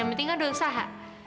yang penting kan usaha